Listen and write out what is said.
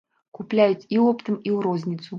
Купляюць і оптам, і ў розніцу.